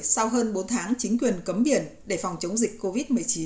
sau hơn bốn tháng chính quyền cấm biển để phòng chống dịch covid một mươi chín